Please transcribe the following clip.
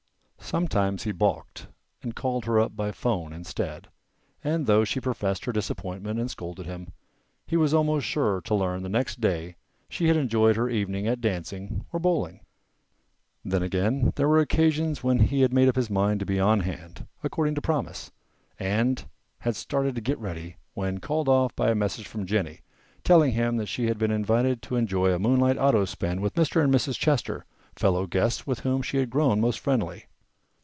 Sometimes he balked and called her up by 'phone instead, and though she professed her disappointment and scolded him, he was almost sure to learn the next day she had enjoyed her evening at dancing or bowling. Then again there were occasions when he had made up his mind to be on hand, according to promise, and had started to get ready when called off by a message from Jennie, telling him that she had been invited to enjoy a moonlight auto spin with Mr. and Mrs. Chester, fellow guests with whom she had grown most friendly.